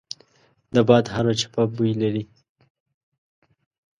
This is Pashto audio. د باد هره چپه بوی لري